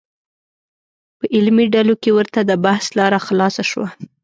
په علمي ډلو کې ورته د بحث لاره خلاصه شوه.